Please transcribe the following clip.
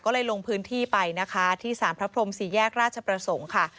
ก็เลยลงพื้นที่ไปนะคะที่สารพระพรมสี่แยกราชประสงค์ค่ะ